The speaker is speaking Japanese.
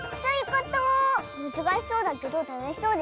むずかしそうだけどたのしそうでしょ。